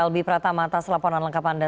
albi pratamata selaponan lengkap anda